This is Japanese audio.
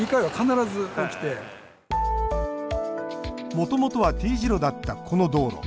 もともとはＴ字路だったこの道路。